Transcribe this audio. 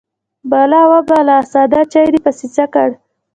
_بلا ، وه بلا! ساده چاې دې پسې څه کړ؟